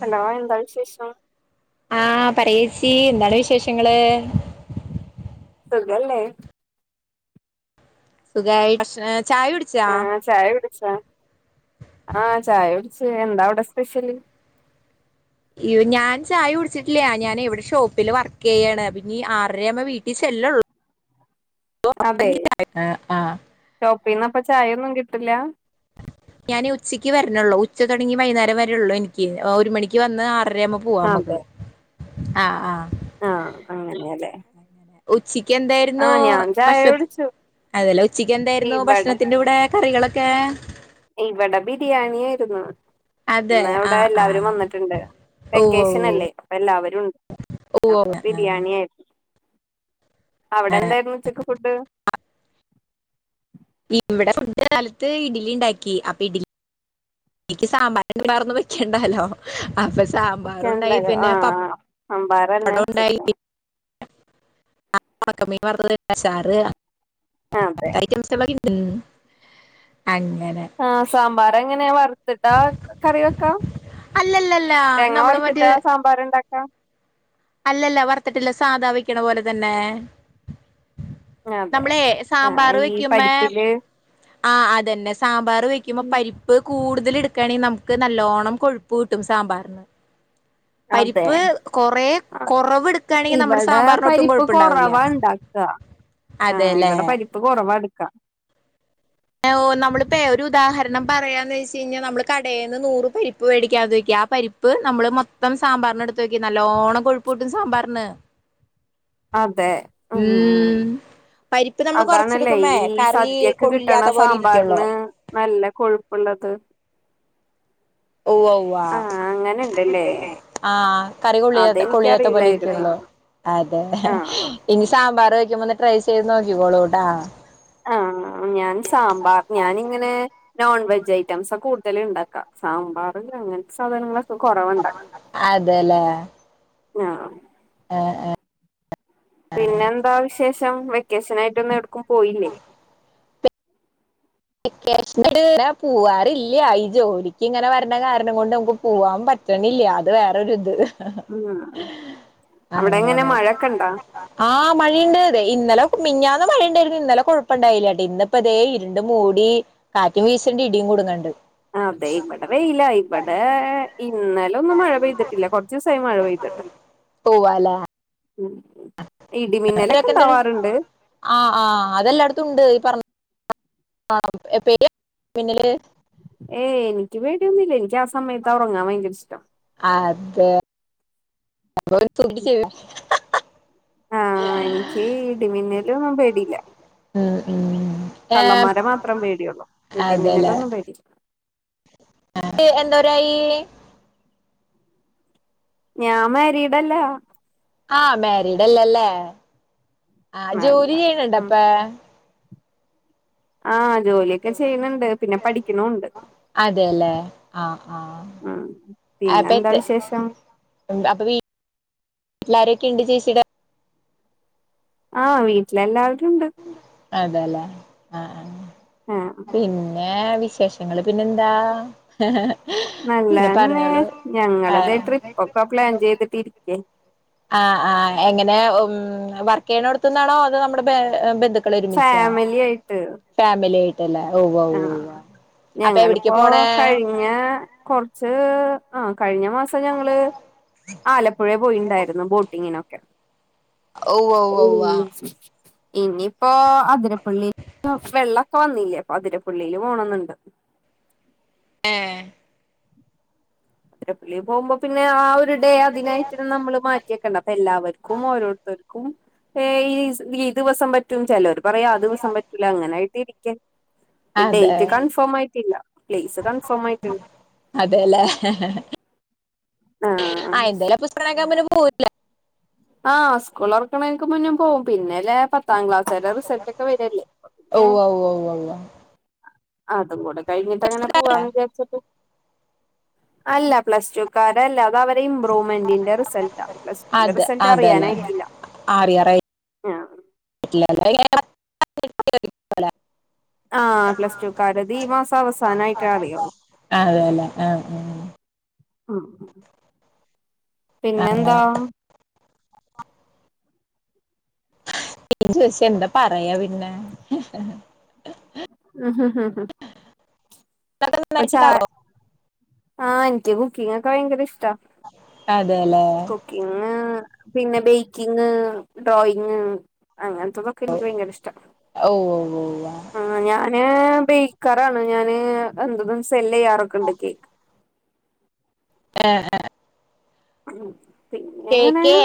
Hello എന്താ വിശേഷം. ആ പറേച്ചീ എന്താണ് വിശേഷങ്ങള്. സുഖല്ലേ? സുഖായി. [unintelligible] ചായ ഉടിച്ചോ? ആ ചായ ടുച്ച്. എന്താ അവിടെ സ്പെഷ്യല്? യ്യോ! ഞാൻ ചായടുച്ചിട്ടില്ല്യാ ഞാനേ [unintelligible] ഷോപ്പില് വർക്ക്യ്യാണ് പിന്നീ ആറരേ ആുമ്പ വീട്ടിൽ ചെല്ലള്ളു. ഓ [unintelligible] ആ പിന്നെപ്പ ചായൊന്നും കിട്ടില്ല? ഞാൻ ഉച്ചയ്ക്ക് വരണള്ളൂ. ഉച്ച കഴിഞ്ഞ് വൈകുന്നേരം വരേ ഉള്ളൂ എനിക്ക്. ഒരു മണിക്ക് വന്ന് [unintelligible] പ [unintelligible] പോവാ നമുക്ക്. ആ ആ ആ അങ്ങനെയല്ലേ. ച്ചിക്ക് എന്തായിരുന്നു. ആഹ് ഞാൻ ചായ ഭക്ഷ കുടിച്ചു അതല്ലെ ഉച്ചക്ക് എന്തായിരുന്നു ഭക്ഷണത്തിന്റെറെ കൂടെ കറികളൊ? കെ ഇവടെ ബിരിയാണിയിരുന്നു. അതെ ന്ന ഇവിടെ ആഹ് എല്ലാവരും ആഹ് വന്ന്ട്ടുണ്ട്. ഓഹ് വെക്കേഷനല്ലേ അപ്പൊ എല്ലാവരും. അപ്പൊ ഓഹ് ഓഹ് ബിരിയാണി ആയിരി. [unintelligible] അവിടെ എന്തായിരുന്നുച്ചക്ക് ഫുഡ്? [unintelligible] ഫുഡ് കാലത്ത് ഇഡ്ലിണ്ടാക്കി. അപ്പി ഇഡ്ലി ഇൻക്കി സാമ്പാ [unintelligible] വേറെന്ന് വെക്കിണ്ടല്ലോ. അപ്പൊ സാമ്പാറുണ്ടായി എന്തായാലും പിന്നെ ആഹ് സാമ്പാറന്നെ പപ്പടം ഉണ്ടായി. ഉച്ചക്ക് [unintelligible] ഒണക്കമീൻ വർത്തത് സാറ് അതെ ഐറ്റംസ് [unintelligible] ൻ ആ സാമ്പാർങ്ങനേ വർ. ത്തിട്ടാ കറി വെക്ക അല്ലല്ലല്ല തേങ്ങ നമ്മള് മറ്റേ വർത്തിട്ടാ സാമ്പാർണ്ടാ. ആ അല്ലല്ല വർത്ത്ട്ടില്ല സാധാ വെയ്ക്ക്ണ പോലെ തന്നെ. അതെ നമ്മളെ ആഹ് സാമ്പാർ ഈ വെയ്ക്കുമ്പേ. പരിപ്പില് ആ അതന്നെ സാമ്പാർ വെക്കുമ്പോ പരിപ്പ് കൂടു. തിൽ എടുക്കാണെങ്കിൽ നമുക്ക് നല്ലോണം കൊഴുപ്പൂട്ടും സാമ്പാറിൻ. പരിപ്പ് കൊറേ. ആ കുറവ് എടുക്കുകയാണെങ്കിൽ നമ്മുടെ ഇവടെ സാമ്പാറിനൊട്ടും പരിപ്പ് കൊഴുപ്പുണ്ടാവില്ല കുറവാണ്ടാക്ക. ആ അതെല്ലേ ഇവടെ പരിപ്പ് കുറവാട്ക്കാ. [unintelligible] നമ്മളിപ്പേ ഒരുദാഹരണം പറയാന്ന്ച്ച്ഴിഞ്ഞാൽ നമ്മള് കടേന്ന് നൂറ് പരിപ്പ് വേടിക്കാതെയ്ക്കാ. അ പരിപ്പ് നമ്മള് മൊത്തം സാമ്പാർന് എടുത്തോക്കി നല്ലോണ്ണം കൊഴുപ്പൂട്ട് സാമ്പാർന്. അതെ ഉം. പരിപ്പ് നമ്മള് അതാണല്ലേ കൊറച്ചെടുക്കുമ്പേ ഈ കറി സദ്യക്ക് കിട്ട്ണ കൊള്ളില്ലാത്ത പോലെ ഇരിക്കുള്ളൂ സാമ്പാർന് നല്ല കൊഴുപ്പുള്ളത്. ഒവ്വ ഒവ്വാ. ആഹ് അങ്ങനെണ്ടല്ലേ ആ കറി കുളിയത്തെ കുളിയത്തെ പോലെ അതെനിക്കറിയില്ലായിരുന്നു ഇരിയ്ക്ക്ള്ളോ. അതെ ആഹ് ഇനി സാമ്പാർ വെയ്ക്കുമ്പോന്ന് ട്രൈ ചെയ്ത് നോക്കിക്കോളൂട്ടാ. ആ ഞാൻ സാമ്പാർ ഞാനിങ്ങനെ. നോൺ വെജ് ഐറ്റംസാ കൂടുതല്ണ്ടാക്കാ സാമ്പാർ അങ്ങനസാധനങ്ങളെ. അതെലേ. ഞ്ഞാം. [inaudible] പിന്നെന്താ വിശേഷം വെക്കേഷനായിട്ടൊന്ന് എട്ക്കും പോയില്ലേ? ക്കേഷൻ പോവാറില്ല ഈ ജോലിക്ക് ഇങ്ങനെ വരണ കാരണം കൊണ്ട് നമുക്ക് പോവാൻ പറ്റ ണില്ല അത് വേറൊരു ഇത് ഉം അവിടെ അങ്ങനെ എങ്ങനെ അവടെങ്ങന മഴൊക്കെ ഇണ്ടാ മഴക്കൊണ്ടോ ആ മഴയിണ്ട് വൈ ഇന്നലെ മിനിഞ്ഞാന്ന് മഴയിണ്ടായിര്ന്ന് ഇന്നലെ കൊഴപ്പം ഇണ്ടായില്ലട്ടോ ഇന്നപ്പോ ഇതേ ഇരു ണ്ട്മൂടി കാറ്റും വിശണ്‌ണ്ട് ഇടിയും കൂടുങ്ങണ്ട് അതെ ഇപടെ വേയില ഇപടെ ഇ ന്ന്ഒന്നും മഴ പെയ്തിട്ടില്ല കൊറച്ച് ദിവസായി മഴ പെയ്തിട്ട് പോവാല്ലേ ഉം [unintelligible] ഇടിമിന്നലൊക്കെ ഇണ്ടാവാറുണ്ട് ആ ആ അതെല്ലായിടത്തും ഉണ്ട് ഈ പറഞ്ഞ ആ എപ്പ പിന്നില് ഏയ് എനിക്ക് പേടിയൊന്നുല്ല എനിക്ക് ആ സമയത്ത് ആ ഉറങ്ങാ ഭയങ്കര ഇഷ്ടം ഏ ആ എനിക്ക് ഇടിമിന്നലും പേടില്ല ഉം ഉം ഏ കള്ളന്മാരെ മാത്രം പേടിയുള്ളൂ ഇടി മിന്നലൊന്നും പേടി എന്താരായി ഞാൻ മാരിടല്ലാ ആ മാരിഡ്ല്ലല്ലേ ആ അല്ല ജോലി ചെയ്യണണ്ടപ്പ ആ ജോലിയൊക്കെ ചെയ്യണണ്ട് പിന്നെ പഠിക്കുന്നുണ്ട് അതെല്ലേ ആ ആ ഉം അപ്പോ പിന്നെന്താ എ വിശേഷം അപ്പൊ വീട്ട് ലാരൊക്കെ ഉണ്ട് ചേച്ചിടെ ആ വീട്ടിലെല്ലാവരുണ്ട് അതല്ലേ ആ ആ ആഹ് പിന്നെ വിശേഷങ്ങള് പിന്നെ എന്താ നല്ലന്ന് ഞങ്ങള് ഇതേ ആഹ് ട്രിപ്പൊക്കെ പ്ലാൻ ചെയ്തിട്ടിരിക്ക ആ ആ എങ്ങനെ ഉം വർക്ക് ചെയ്യണടുത്ത്ന്നാണോ അത് നമ്മുടെ പെരൻ [unintelligible] ഫാമിലി ആയിട്ട് ആയിട്ടല്ലേ ഉവ്വ ആ ഉവ്വ അപ്പൊ എവിടേക്കാ ഞങ്ങളിപ്പോ പോണേ കഴിഞ്ഞ കൊറച്ച് ആ കഴിഞ്ഞ മാസം ഞങ്ങള് ആലപ്പുഴ പോയിണ്ടായിരുന്നു ബോട്ടിങ്ങിന് ഔ ഔ ഔവ ഇനിയിപ്പോ അതിരപ്പള്ളി ക്ക് വെള്ളൊക്കെ വന്നില്ലെ അതിരപള്ളിയില് പോണെന്നുണ്ട് ആ അതിരപള്ളി പോവുമ്പോ പിന്നെ ആ ഒരു ഡേ അതിനായിട്ട് നമ്മള് മാറ്റിെവെക്കണ്ട അപ്പൊ എല്ലാവർക്കും ഓരോരുത്തരും ക്കും ഏ ഈ ദി ദിവസം പറ്റും ചിലർ പറയും ആ ദിവസം പറ്റൂല അങ്ങനൊയയിട്ട് ഇരിക്ക അതെ ഡേറ്റ് കൺഫേം ആയിട്ടില്ല പ്ലേസ് കൺഫേം ആയിട്ടണ്ട് ആ എന്തേലും ആ [unintelligible] പിന്നെ പോവൂല ആ സ്കൂള് തുറക്കണെക്ക് മുന്ന് പോകും പിന്നെല്ല പത് പത്താം ക്ലാസ്ല്കാരുടെ റിസൾട്ട് ഒക്കെ വരല്ലേ ന്നെ ഉവ്വ ഉവ്വ ഉവ്വ ഉവ്വ അതും കൂടെ കഴിഞ്ഞിട്ട് അങ്ങനെ പോവാന്ന് വിചാരിച്ചിട്ട് അല്ല പ്ലസ് ടുക്കാരല്ല എല്ലാവരെയും ഇം ബ്രൂമെന്റിന്റെ റിസൾട്ടാ പ്ലസ് ടുന്റെ അതെ റിസൾട്ട് അതല്ലേ അറിയാനായിട്ടില്ല ആ [unintelligible] ആ പ്ലസ് ടു കരുടെത് ഈ മാസം അവസാനായിട്ട് ആറേുള്ളൂ ആ അതല്ല ആ ആ ഉം ഉം പിന്നെന്താ ഇങ്ങനെ ചോദിച്ച എന്താ പറയാ പിന്നെ ഹ് ഹ് ഹ് പ ച നന്നായിട്ടുണ്ടാവോ ആ ആന്റ്റ കുക്കി ഭയങ്കര ഇഷ്ടാ അതെല്ലേ കുക്കിംഗ് പിന്നെ ബേക്കിങ് ഡ്രോയിങ് അങ്ങതോതൊക്കെ ഇങ്ക് ഭയങ്കര ഇഷ്ട ഓ ഓ ഓ ആ ഞാന് ബേക്കാറാണ് ഞാന് എന്തു സെല്ലയാറൊക്കെ ഉണ്ട് കേക്ക് ആഹ ഹഹ ഉം പിന്നെ അങ്ങനെ കേക്കേ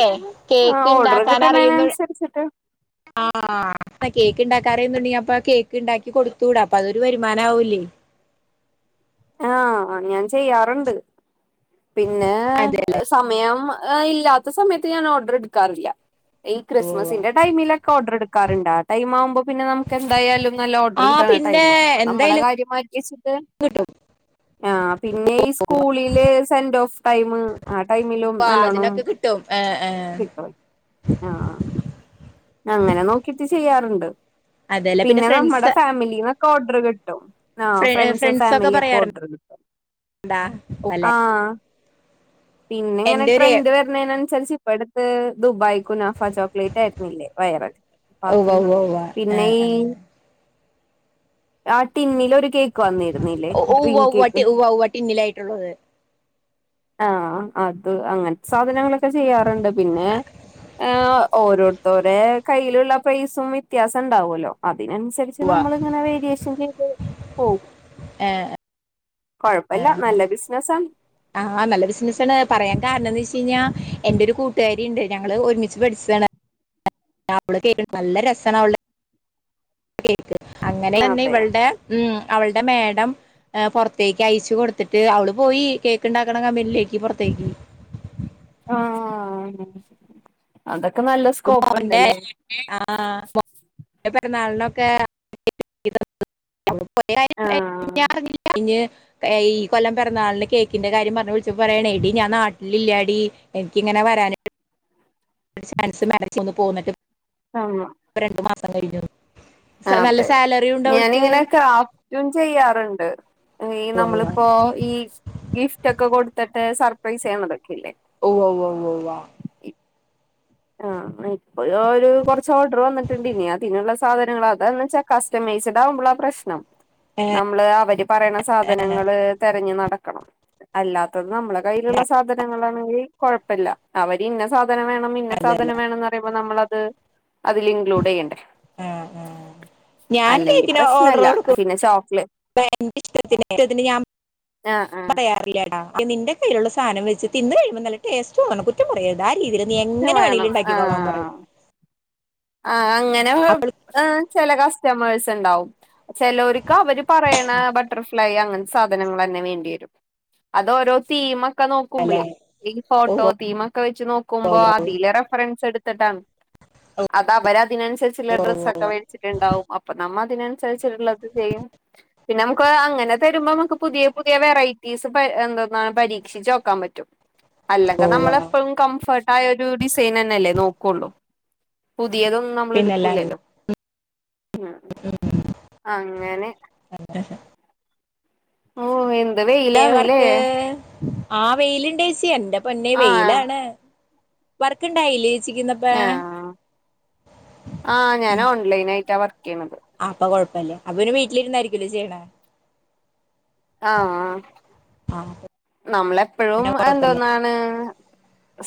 ആഹ് കേക്ക് ഓർഡർ ഇണ്ടാക്കാൻ അറിയുന്നു കിട്ടണേനനുസരിച്ചിട്ട് ആഹ അ കേക്കണ്ടാക്ക ന്നുണ്ടെകിൽ അപ്പ കേക്ക് ണ്ടാക്കി കൊടുത്തൂടെ അപ്പ അതൊരു വരുമാനവൂല്ലേ ആഹ ഞാൻ ചെയ്യാറുണ്ട് പിന്നെ അതെ സമയം ആ ഇല്ലാത്ത സമയത്ത് ഞാൻ ഓർഡർ എടുക്കാറില്ല ഈ ക്രിസ്മസിന്റെ ടൈമിലൊക്കെ ഓർഡർ എടുക്കാറ്ണ്ട് ടൈം ആവുമ്പോ പിന്നെ നമുക്ക് എന്തായാലും നല്ല ഓർഡർ ആ കിട്ട്ണ പിന്നെ ടൈം അപ്പ നമ്മുടെ എന്തായാലും കാര്യ മാറ്റി വെച്ചിട്ട് കിട്ടും ആഹ പിന്നെ ഈ സ്കൂളില് സെന്റ് ഓഫ് ടൈം ആ ടൈമിലും അപ്പൊ നല്ലോണം അതിനൊക്കെ കിട്ടും ഏ ഏ കിട്ടും ആ അങ്ങനെ നോക്കിട്ട് ചെയ്യാ റുണ്ട് അതെല്ലേ പിന്നെ ഞമ്മടെ ഫ്രണ്ട്സ് ഫാമിലിന്നൊക്കെ ഓർഡർ കിട്ടും ആ ഫ്ര സെൻസസ് ഫ്രണ്ട്സ് ഫാമിലി ഒക്കെ പറയാറുണ്ട് ഓർഡർ കിട്ട അല്ലെ ആഹ പിന്നെ ഇങ്ങനെ എന്റെ ഒരു ട്രെൻഡ് വരുന്നയിനനുസരിച് ഇപ്പ ദുബായ് കുനാഫ ചോക്ലേറ്റ് ആയിുന്നില്ലേ വൈറൽ അപ്പത് ഉവ്വ ഉവ്വ ഉവ്വ ഏ പിന്നെ ഈ ഏ ആ ടിൻ ഒരു കേക്ക് വന്നിരുന്നില്ലേ ഉവ്വ ഡ്രീം ഉവ്വാട്ടി കേക്ക് ഉവ്വ ഉവ്വാട്ടി ടിൻ ലായിട്ടുള്ളത് ആഹ അത് അങ്ങനത്തെ സാധനങ്ങളൊക്കെ ചെയ്യാറ്ണ്ട് പിന്നെ ഹ ഓരോരുതോരെ കയ്യിലുള്ള പൈസും വ്യത്യാസം ഉണ്ടാവുല്ലോ അ അതിനനുസരിച്ച് ഉവ്വ നമ്മളിങ്ങനെ വേരിയേഷൻ ചെയ്ത് പോകും ഏ കൊഴപ്പല്ല ആഹ നല്ല ബിസിനസാണ് ആഹ നല്ല ബിസിനസ് ആണ് പറയാൻ കാരണംന്ന് എന്റെ ഒരു കൂട്ടുകാരിണ്ട് ഞങ്ങൾ ഒരുമിച്ച് പഠിച്ചതാണ് അവള് കേക്ക നല്ല രസമാണ് കേ അങ്ങനെ തന്നെ അതെ ഇവളുടെ ഉ അവളുടെ മേടം പുറത്തേക്ക് അയച്ചു കൊടുത്തിട്ട് അവള് പോയി കേക്ക് ഇണ്ടാക്ക്‌ണ കമ്പനിയിലേക്ക് പുറത്തേക്ക് ആഹ അത ഇപ്പം നല്ല സ്കോപ്പ് ഉണ്ടല്ലേ പെറുന്നാളിനൊക്കെ [unintelligible] അ കുറേ ആഹ് കാര്യം [unintelligible] ഇഞ്ഞ് ഈ കൊല്ലം പിറന്നാളിന് കേക്കിന്റെ കാര്യം പറഞ്ഞ വിളിച്ചുമ്പം പറയാണെ എടി ഞാൻ നാട്ടിലില്ലാടി എനിക്കിങ്ങനെ വരാണ് ചാൻസ് മ [unintelligible] ഒന്ന് പോകന്നിട്ട് ആഹ സാടിനോ ആ അതെ ഞാനിങ്ങനെ ഞാൻ ചെയ്യാറ്ണ്ട് ഈ ഉവ്വ ഉവ്വ നമ്മളിപ്പോ ഈ ഗിഫ്റ്റ് ഒക്കെ കൊടുത്തിട്ട് സർക്ക പ്രൈസ് ചെയ്ണത് ഓ് ഓ് ഓ് വ ആഹ ഇപ്പ ഒരു കുറച്ച് ഓർഡർ വന്നിട്ടണ്ടിനനി അതിനുള്ള സാധനങ്ങൾ അതാന്ന് വെച്ചാ കസ്റ്റമൈസ്ഡ് ആവുമ്പോള പ്രശ്നം നമ്മള് അവര് പറയണ സാധനങ്ങള് തെരഞ്ഞ് നടക്കണം അല്ലാത്ത നമ്മളെ കയ്യിലുള്ള സാധനങ്ങളാണെിൽ കോഴപ്പല്ല അവര് ഇന്ന സാധന വേണം ഇന്ന അതല്ല സാധനം വേണന്ന് പറയുമ്പോ നമ്മളത് അതിൽ ഇൻക്ലൂഡ്യ്യണ്ടേ. ആ ആ ഞാൻ കേക്കിന ഓർഡർ ചോക്ലേ കൊടുക്കുമ്പോ എന്റെ ഇഷ്ടത്തിന് ഇന് ഞാൻ- ആഹ് ആഹ് പറയാറില്ല ട- നിന്റെ കയ്യിലുള്ള സാനം വെച്ച് തിന്ന് കഴിയ്മ്പോ നല്ല ടേസ്റ്റ് തോന്നണം കുറ്റം പറയരുതാ - രീതിയിൽ നീ എങ്ങനെ വേണേലും ഉണ്ടാക്കി കൊളാംപറയും. ആ അങ്ങനെ ചില കസ്റ്റമേഴ്സ് ണ്ടാവും. ചെലോർക്ക് അവര് പറയണ ബട്ടർഫ്ലൈ അങ്ങനതെ സാധനങ്ങൾന്നെ വേണ്ടി വരും. അതോരോ തീമ ക്കെ അല്ലെ നോക്കുമ്പോളേ ഈ ഓ ഫോട്ടോ ഓ തീമോക്കെ വെച്ച് ഓ നോക്കുമ്പോ അതിലെ റഫറൻസ് എടു- ത്തിട്ട അത് അവരതിനനുസരിച്ചുള്ള ഓ ഡ്രസ്സൊക്കെ ഓ വേടിച്ചിട്ടുണ്ടാവും അപ്പ നമ്മതിന- രിച്ചിട്ടുള്ള ചെയ്യും പിന്നെ നമുക്ക് അങ്ങനെ തരുമ്പോ നമുക്ക് പുതിയ പുതിയ വെറൈറ്റീസ് പ- പരീക്ഷിച്ചോക്കാൻ പറ്റും. അല്ലങ്ക ഓ ഓ നമ്മളെപ്പോഴും കംഫർട്ട് ആയ ഒരു ഡിസൈൻന്നെ അല്ലേ നോക്കുള്ളൂ. പുതിയതൊന്നും നമ്മൾ പിന്നല്ല എടുക്കൂല്ലല്ലോ. ഉം അങ്ങനെ. ഓ എന്ത് ഏ വെയിലാണ്ല്ലേ വർക്ക്. ആ വെയിലിണ്ടേച്ചി എന്റെ പൊന്നേ ആഹ് വെയിലാണ് വർക്ക ഇണ്ടായിലേ. ആഹ ആഹ ഞാൻ ഓൺലൈൻ ആയിട്ട് ആ വർക്ക് യ്യണേ. ആ അപ്പൊ കൊഴപ്പല്ലേ അപ്പൊ പിന്നെ വീട്ടിലിരുന്നായിരിക്കല്ലോ ചെയ്യണ. ആഹ നമ്മളെപ്പോഴും പിന്നെ കൊഴപ്പല്ല എന്തോന്നാണ്-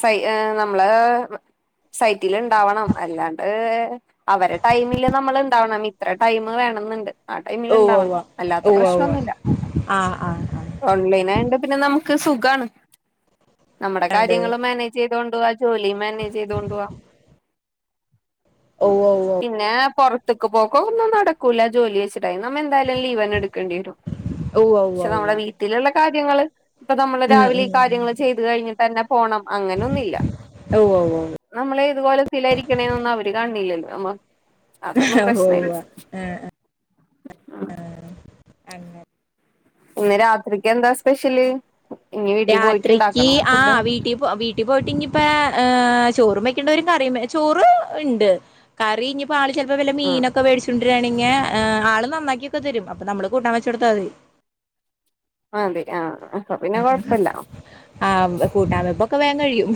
സൈ ഏ നമ്മള് സൈറ്റിൽ ഉണ്ടാവണം അല്ലാണ്ട്. അവരെ ടൈമില് നമ്മൾ ഇണ്ടാവണം ഇത്ര ടൈമ വേണന്നുണ്ട് ആ ടൈമില് ഇണ്ടാവണം അല്ലാത്ത പ്രശ്നന്നുല്ല. ആഹ്. ഓൺലൈൻ ആയോണ്ട് പിന്നെ നമുക്ക് സുഖാണ് നമ്മുടെ ണ്ട് കാര്യങ്ങള് മാനേജ് ചെയ്- തൊണ്ട് പോവാ ജോലി മാനേജ് ചെയ്തോണ്ട് വാ ഓഹ് ഓഹ് ഓഹ് പിന്നെ പുറത്ത്ക്ക് പോക്കോന്നും നടക്കൂല ജോലി വെച്ച- എ നമ്മ എന്തായാലും ലീവന്ന എടുക്കേണ്ടി വരും ഉവ്വ ഉവ്വ പക്ഷെ ഉവ്വ നമ്മുടെ വീട്ടിലുള്ള കാര്യങ്ങള്- ഇപ്പൊ നമ്മള് ഉം രാവിലെ ഈ ഉം കാര്യങ്ങള് ചെയ്തു കഴിഞ്ഞ്ട്ടന്നെ- പോണം അങ്ങനെയൊന്നുല്ല ഉവ്വ ഉവ്വ ഉവ്വ നമ്മളെ - ഇത് പോലെ [unintelligible] ലായിരിക്കണേന്നും അവര് കണില്ലല്ലോ നമ്മ- അതൊന്നും ആ ഓ പ്രശ്നല്ല ആഹ ആഹ. അങ്ങനെ. ഇന്ന് രാത്രിക്ക് എന്താ സ്പെഷ്യല്? ഇനി വീട്ടിൽ രാത്രിക്ക് പോയിട്ടുണ്ടാക്കണോ ആ ഫുഡ് വീട്ടിൽ പോ വീട്ടിൽ പോയിട്ടിഞ്ഞി ഇപ്പ- ചോറ് വയ്ക്കേണ്ടവരും കറി ചോറ് ഉണ്ട് കറി ഇഞ്ഞിപ്പോ ആള് ചിലപ്പോ വല്ല ആഹ് മീനൊക്കെ വേടിച്ചോണ്ട്- ണെങ്ങി ആള് നന്നാക്കിയൊക്കെ തരും അപ്പൊ നമ്മള് കൂട്ടാൻ വെചോടുത്ത മതി. അതെ ആഹ അപ്പോ പിന്നെ കൊഴപ്പല്ല. ആ കൂട്ടാവേപ്പൊക്കെ വേങ്ങഴിയും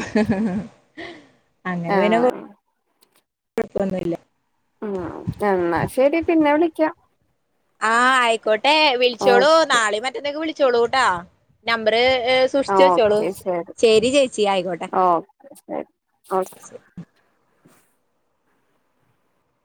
ആഹ. ഴപ്പൊന്നുംല്ല. ഉം എന്നാ ശരി പിന്നെ വിളിക്കാം. ആഹ ആയിക്കോട്ടെ ഓ വിളിച്ചോളൂ നാളെ മറ്റന്നക്കെ വിളിച്ചോളൂട്ടാ നമ്പര്- ഏ സൂക്ഷിച്ചു വെച്ചോളൂ ശരി ചേച്ചി ആയിക്കോട്ടെ. ഓക്കെ ശരി ഓ [inaudible]